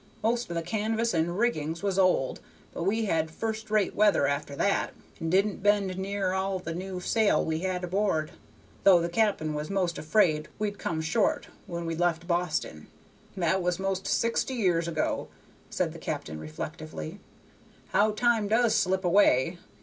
Most of the canvas and rigging was old, but we had first rate weather after that, and didn't bend near all the new sail we had aboard, though the cap'n was most afraid we'd come short when we left Boston. That was 'most sixty year ago," said the captain, reflectively. "How time does slip away!